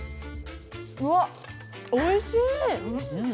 うわっ、おいしい！